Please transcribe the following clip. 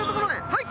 はい！